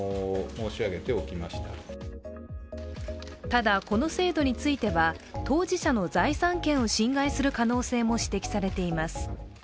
ただ、この制度については当事者の財産権を侵害する可能性の指摘されています。